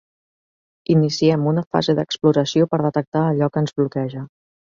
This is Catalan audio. Iniciem una fase d'exploració per detectar allò que ens bloqueja.